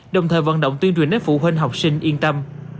đồng thời vận động tuyên truyền đến phụ huynh học sinh yên tâm